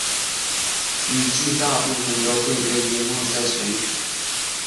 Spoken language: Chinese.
在雨季大部分都会被淹没在水里。